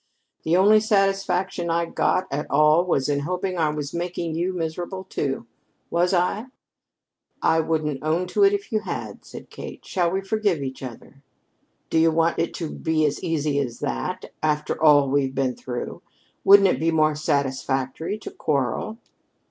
The only satisfaction I got at all was in hoping I was making you miserable, too. Was I?" "I wouldn't own to it if you had," said Kate. "Shall we forgive each other?" "Do you want it to be as easy as that after all we've been through? Wouldn't it be more satisfactory to quarrel?"